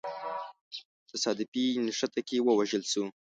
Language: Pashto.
تصادفي نښته کي ووژل سو.